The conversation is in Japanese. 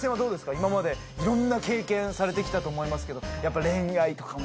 今までいろんな経験されて来たと思いますけどやっぱ。